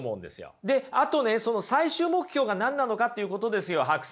であとね最終目標が何なのかっていうことですよＨＡＫＵ